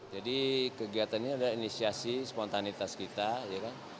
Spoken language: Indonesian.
jadi kegiatannya adalah inisiasi spontanitas kita ya kan